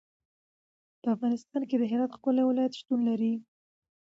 په افغانستان کې د هرات ښکلی ولایت شتون لري.